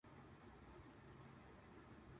私はサメが好きです